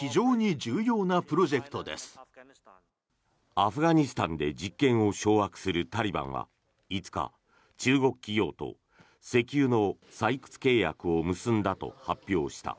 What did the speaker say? アフガニスタンで実権を掌握するタリバンは５日中国企業と石油の採掘契約を結んだと発表した。